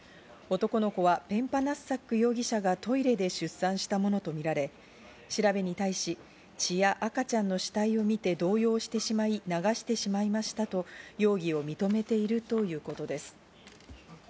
男の子はペンパナッサック容疑者がトイレで出産したものとみられ、調べに対し、血や赤ちゃんの死体を見て動揺してしまい、流してしまいましたと容疑を認めているということです。